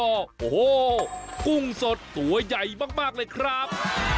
โอ้โหกุ้งสดตัวใหญ่มากเลยครับ